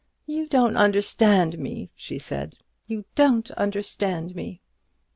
"You don't understand me," she said; "you don't understand me."